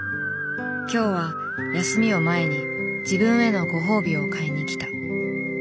今日は休みを前に自分へのご褒美を買いに来た。